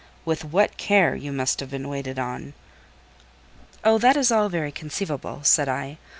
With what care you must have been waited on!" "Oh! all that is very conceivable," said I.